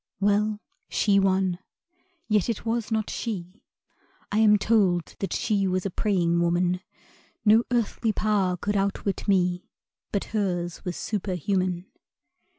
Well, she won (yet it was not she I am told that she was a praying woman: No earthly power could outwit me But hers was superhuman).